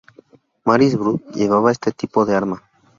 Maris Brood llevaba ese tipo de arma.